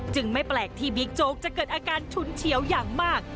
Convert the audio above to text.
ไม่แปลกที่บิ๊กโจ๊กจะเกิดอาการฉุนเฉียวอย่างมาก